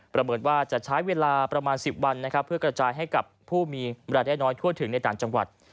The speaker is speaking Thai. เหมือนว่าจะใช้เวลาประมาณ๑๐วันนะครับเพื่อกระจายให้กับผู้มีเวลาได้น้อยทั่วถึงในต่างจังหวัด